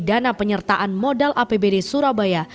dana penyertaan modal apbd surabaya